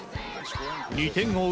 ２点を追う